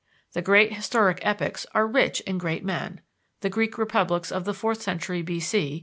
The great historic epochs are rich in great men (the Greek republics of the fourth century B. C.